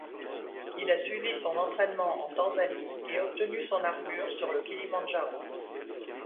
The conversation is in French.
Il a suivi son entrainement en Tanzanie, et obtenu son armure sur le Kilimanjaro.